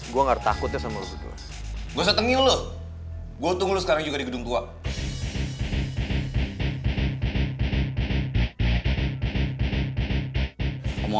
gue kesel banget sama dia mon